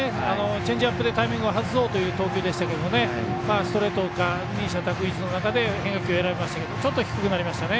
チェンジアップでタイミングを外そうという投球でしたが、ストレートかの二者択一の中で変化球を選びましたけどちょっと低くなりましたね。